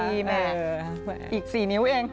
๑๖ปีแหมอีก๔นิ้วเอง